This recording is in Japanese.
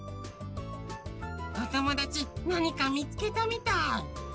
おともだちなにかみつけたみたい。